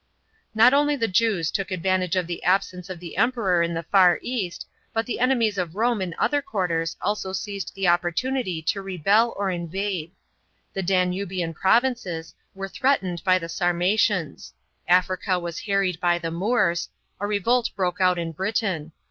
§ 17. Not only the Jews took advantage of the absence of the Em ^peror in the far cast, bat the enemies of Rome in other quarters also seized the opportunity to rebel or invade. The Danubian provinces were threatened by the Sarmatians ; Africa was harried b\ tne Moors; a revolt broke out in Britain.